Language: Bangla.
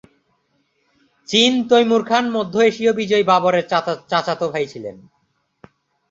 চীন তৈমুর খান মধ্য এশীয় বিজয়ী বাবরের চাচাতো ভাই ছিলেন।